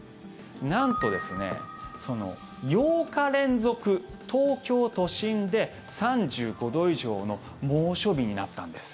なんとですね８日連続、東京都心で３５度以上の猛暑日になったんです。